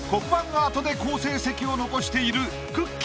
アートで好成績を残している。